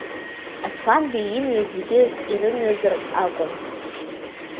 Асланбеи имҩа зегьы ирымҩазар акәын.